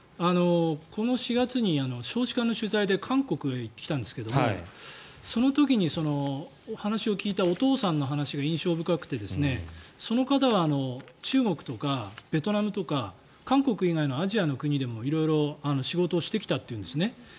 この４月に少子化の取材で韓国へ行ってきたんですがその時に話を聞いたお父さんの話が印象深くてその方は中国とかベトナムとか韓国以外のアジアの国でも色々仕事をしてきたというんですね。